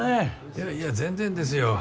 いやいや全然ですよ。